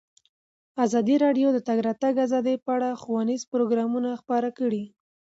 ازادي راډیو د د تګ راتګ ازادي په اړه ښوونیز پروګرامونه خپاره کړي.